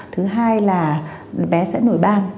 thứ hai là bé sẽ nổi ban